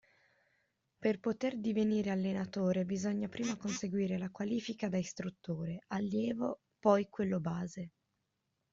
Per poter divenire allenatore bisogna prima conseguire la qualifica da istruttore (allievo, poi quello base).